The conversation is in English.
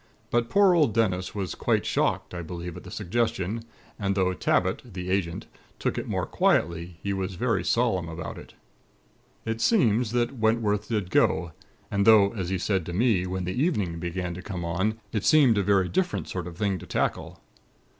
But poor old Dennis was quite shocked, I believe, at the suggestion; and though Tabbit, the Agent, took it more quietly, he was very solemn about it. "It seems that Wentworth did go; and though, as he said to me, when the evening began to come on, it seemed a very different sort of thing to tackle.